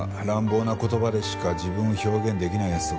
乱暴な言葉でしか自分を表現できない奴とか。